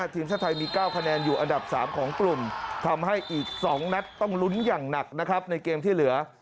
ทีมชาติไทยมี๙คะแนนอยู่อันดับ๓ของกลุ่มทำให้อีก๒นัดต้องลุ้นอย่างหนักนะครับในเกมที่เหลือ